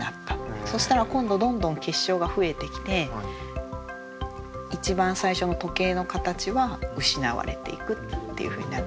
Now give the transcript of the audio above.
そしたら今度どんどん結晶が増えてきて一番最初の時計の形は失われていくっていうふうになるんです。